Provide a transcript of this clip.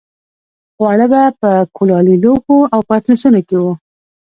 خواړه به په کلالي لوښو او پتنوسونو کې وو.